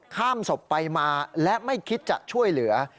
ข้ามศพไปมาและไม่คิดจะช่วยเหลือ